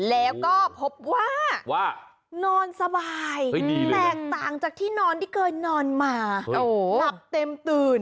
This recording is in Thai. แล้วก็พบว่านอนสบายแตกต่างจากที่นอนที่เคยนอนมาหลับเต็มตื่น